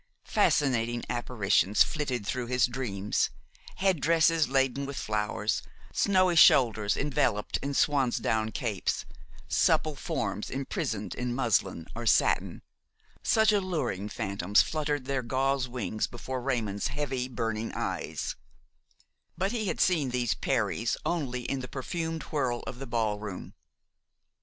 Fascinating apparitions flitted through his dreams; head dresses laden with flowers, snowy shoulders enveloped in swansdown capes, supple forms imprisoned in muslin or satin: such alluring phantoms fluttered their gauze wings before Raymon's heavy, burning eyes; but he had seen these peris only in the perfumed whirl of the ballroom.